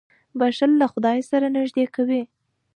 • بښل له خدای سره نېږدې کوي.